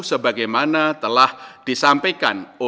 sebagai dipikirkan meng scholars dan media yakni